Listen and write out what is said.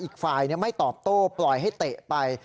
ก็จะโปรดโต้ปล่อยให้เตะไป